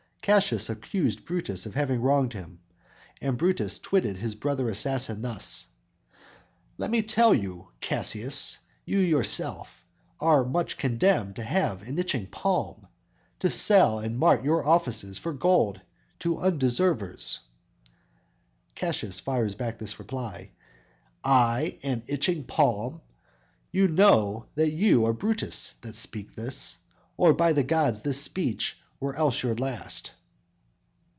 Cassius accused Brutus of having wronged him, and Brutus twitted his brother assassin thus: _"Let me tell you, Cassius, you yourself Are much condemned to have an itching palm, To sell and mart your offices for gold To undeservers!"_ Cassius fires back this reply: _"I an itching palm? You know that you are Brutus that speak this, Or by the gods this speech were else your last!"